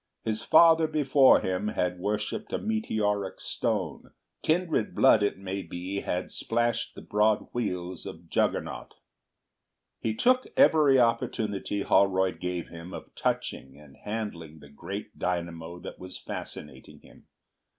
His father before him had worshipped a meteoric stone, kindred blood it may be had splashed the broad wheels of Juggernaut. He took every opportunity Holroyd gave him of touching and handling the great dynamo that was fascinating him.